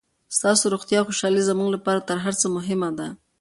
ستاسو روغتیا او خوشحالي زموږ لپاره تر هر څه مهمه ده.